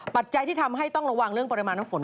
ปัจจัยที่ทำให้ต้องระวังเรื่องปริมาณน้ำฝน